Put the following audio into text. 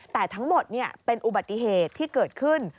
แต่ทั้งหมดเป็นอุบัติเหตุที่เกิดขึ้น